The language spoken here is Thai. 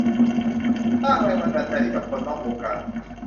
สร้างแรงบันดาลใจให้กับคนนอกวงการ